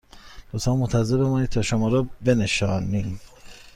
لطفاً منتظر بمانید تا شما را بنشانیم